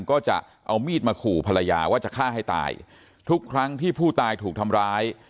ก็จะเอามีดมาขู่ภรรยาว่าจะฆ่าให้ตายทุกครั้งที่ผู้ตายถูกทำร้าย